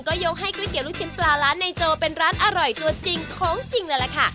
ก็ยกให้ก๋วยเตี๋ยลูกชิ้นปลาร้านในโจเป็นร้านอร่อยตัวจริงของจริงเลยล่ะค่ะ